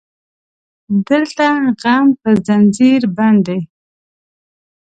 دلته غم په زنځير بند دی